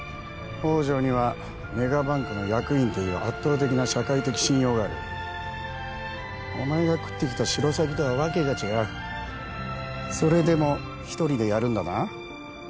宝条にはメガバンクの役員という圧倒的な社会的信用があるお前が喰ってきたシロサギとは訳が違うそれでも一人でやるんだな？